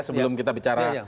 sebelum kita bicara